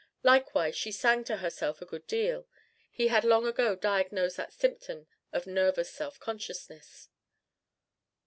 Likewise she sang to herself a good deal: (he had long ago diagnosed that symptom of nervous self consciousness).